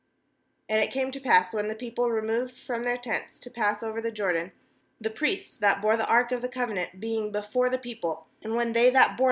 14And it came to pass, when the people removed from their tents, to pass over the Jordan, the priests that bore the ark of the covenant being before the people; 15and when they that bore 263 3.